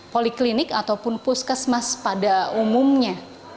poliklinik ataupun puskesmas pada umumnya